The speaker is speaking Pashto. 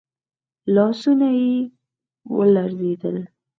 لاسونه يې ولړزېدل.